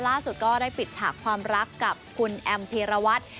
ล่าสุดก็ได้ปิดฉากความรักกับคุณแอมพีรวัตร